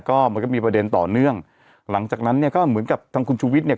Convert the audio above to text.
ก็มันก็มีประเด็นต่อเนื่องหลังจากนั้นเนี่ยก็เหมือนกับทางคุณชูวิทย์เนี่ย